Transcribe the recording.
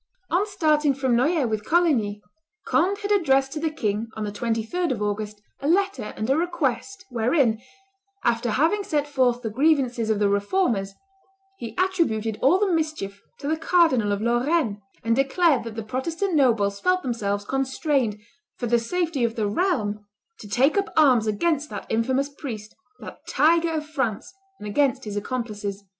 On starting from Noyers with Coligny, Conde had addressed to the king, on the 23d of August, a letter and a request, wherein, "after having set forth the grievances of the Reformers, he attributed all the mischief to the Cardinal of Lorraine, and declared that the Protestant nobles felt themselves constrained, for the safety of the realm, to take up arms against that infamous priest, that tiger of France, and against his accomplices."